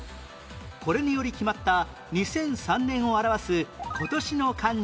これにより決まった２００３年を表す今年の漢字